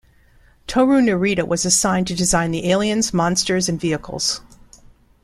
Tohru Narita was assigned to design the aliens, monsters, and vehicles.